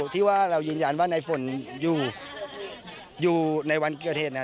ที่ว่าเรายินยันว่าในฝนอยู่อยู่ในวันเกียรติเทศน่ะ